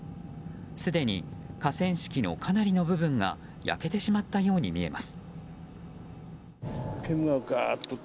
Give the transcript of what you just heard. すでに河川敷のかなりの部分が焼けてしまったように見えます。